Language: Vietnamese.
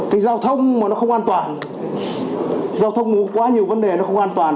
cái giao thông mà nó không an toàn giao thông quá nhiều vấn đề nó không an toàn